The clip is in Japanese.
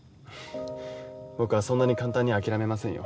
僕はそんなに簡単には諦めませんよ。